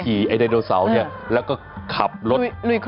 ไอไดโนเสาร์เนี่ยแล้วก็ขับรถ